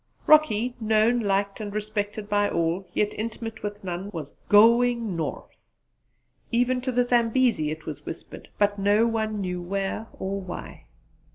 Rocky, known, liked and respected by all, yet intimate with none, was 'going North' even to the Zambesi, it was whispered but no one knew where or why.